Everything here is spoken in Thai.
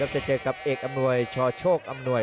จะเจอกับเอกอำนวยชโชคอำนวย